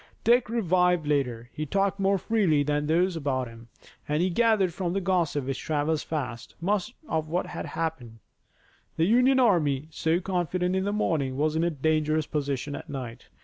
Dick revived later. He talked more freely with those about him, and he gathered from the gossip which travels fast, much of what had happened. The Union army, so confident in the morning, was in a dangerous position at night.